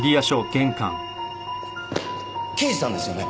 刑事さんですよね？